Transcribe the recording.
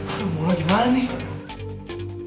aduh mau lagi mana nih